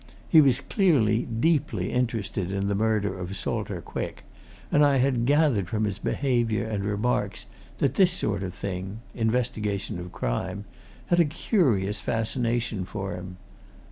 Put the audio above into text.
He was clearly deeply interested in the murder of Salter Quick, and I had gathered from his behaviour and remarks that this sort of thing investigation of crime had a curious fascination for him.